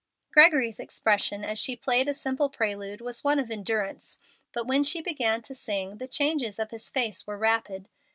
Gregory's expression as she played a simple prelude was one of endurance, but when she began to sing the changes of his face were rapid.